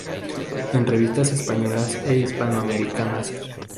En revistas españolas e hispanoamericanas.